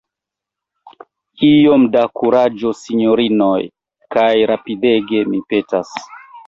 Iom da kuraĝo, sinjorinoj; kaj rapidege, mi petas.